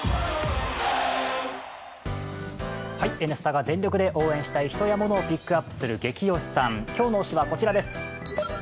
「Ｎスタ」が全力で応援したい人やモノをピックアップする「ゲキ推しさん」、今日の推しはこちらです。